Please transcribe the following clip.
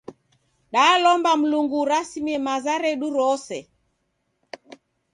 Dalomba Mlungu urasimie maza redu rose.